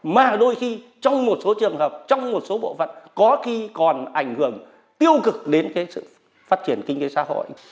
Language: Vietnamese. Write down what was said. mà đôi khi trong một số trường hợp trong một số bộ vật có khi còn ảnh hưởng tiêu cực đến cái sự phát triển kinh tế xã hội